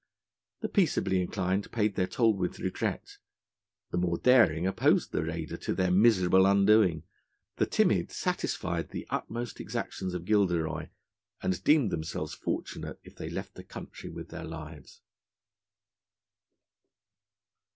The peaceably inclined paid their toll with regret; the more daring opposed the raider to their miserable undoing; the timid satisfied the utmost exactions of Gilderoy, and deemed themselves fortunate if they left the country with their lives.